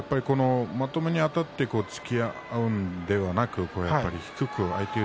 まともにあたって突き合うのではなく相手に、